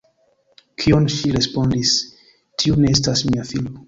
Kion ŝi respondis:"Tiu ne estas mia filo!